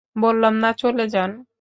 বললাম না চলে যান।